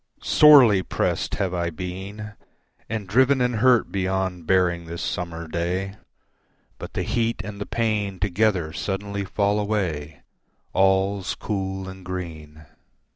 Sorely pressed have I been And driven and hurt beyond bearing this summer day, But the heat and the pain together suddenly fall away, All's cool and green.